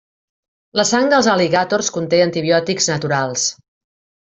La sang dels al·ligàtors conté antibiòtics naturals.